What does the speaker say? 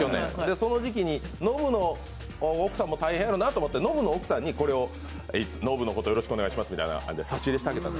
その時期にノブの奥さんも大変やろうなと思ってノブの奥さんにノブのことをよろしくお願いしますみたいな感じで差し入れしてあげた。